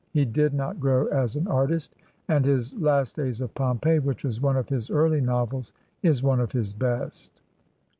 He did not grow as an artist, and his "Last Days of Pompeii," which was one of his early novels, is one of his best.